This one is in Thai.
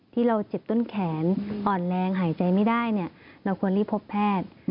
ที่เราเจ็บต้นแขนอ่อนแรงหายใจไม่ได้เราควรรีบพบแพทย์